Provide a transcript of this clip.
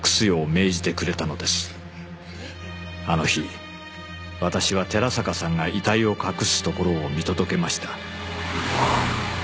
あの日私は寺坂さんが遺体を隠すところを